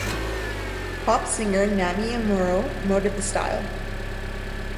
Pop singer Namie Amuro promoted the style.